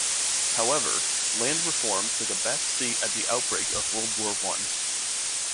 However, land reform took a back seat at the outbreak of World War One.